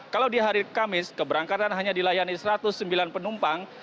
kalau di hari kamis keberangkatan hanya dilayani satu ratus sembilan penumpang